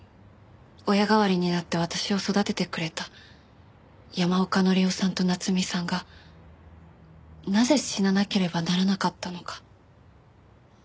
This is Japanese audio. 親代わりになって私を育ててくれた山岡紀夫さんと夏美さんがなぜ死ななければならなかったのか。